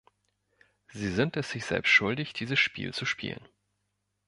Sie sind es sich selbst schuldig, dieses Spiel zu spielen.